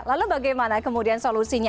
lalu bagaimana kemudian solusinya